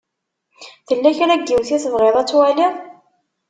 Tella kra n yiwet i tebɣiḍ ad twaliḍ?